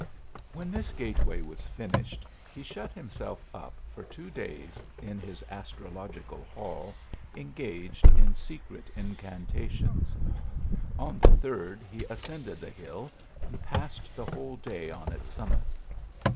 124 THE ALHAMBRA. searr \xen this gateway was finished, he shut himself ^ for two days in his astrological hall, engaged in secret incantations: on the third he ascended the iili. and passed the whole day on its summit.